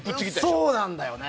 そうなんだよね。